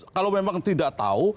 kalau memang tidak tahu